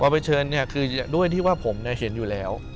ไปเชิญคือด้วยที่ว่าผมเห็นอยู่แล้ว